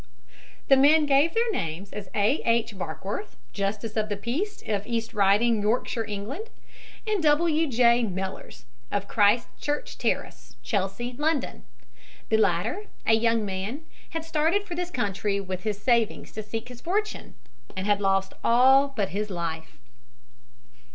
The men gave their names as A. H. Barkworth, justice of the peace of East Riding, Yorkshire, England, and W. J. Mellers, of Christ Church Terrace, Chelsea, London. The latter, a young man, had started for this country with his savings to seek his fortune, and lost all but his life.